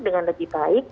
dengan lebih baik